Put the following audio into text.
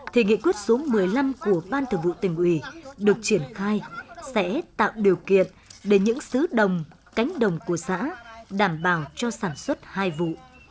thì nghị quyết số một mươi năm của ban thường vụ tỉnh ủy được triển khai sẽ tạo điều kiện để những sứ đồng cánh đồng của xã đảm bảo cho sản xuất hai vụ